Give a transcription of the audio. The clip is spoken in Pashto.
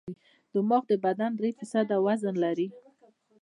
دماغ د بدن درې فیصده وزن لري.